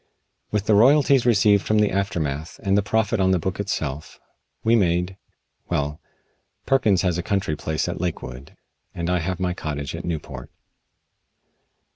With the royalties received from the aftermath and the profit on the book itself, we made well, Perkins has a country place at Lakewood, and I have my cottage at Newport.